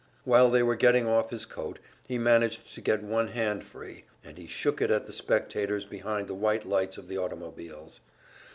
While they were getting off his coat, he managed to get one hand free, and he shook it at the spectators behind the white lights of the automobiles.